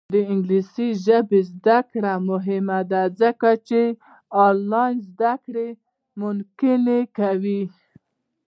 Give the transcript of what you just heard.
د انګلیسي ژبې زده کړه مهمه ده ځکه چې آنلاین زدکړه ممکنه کوي.